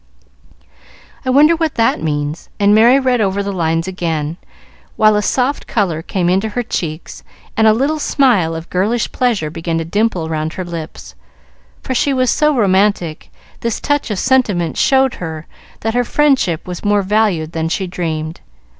"I wonder what that means," and Merry read over the lines again, while a soft color came into her cheeks and a little smile of girlish pleasure began to dimple round her lips; for she was so romantic, this touch of sentiment showed her that her friendship was more valued than she dreamed.